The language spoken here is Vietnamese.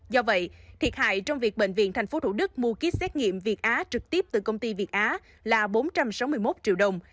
do vậy thiệt hại trong việc bệnh viện tp thủ đức mua kýt xét nghiệm việt á trực tiếp từ công ty việt á là bốn trăm sáu mươi một triệu đồng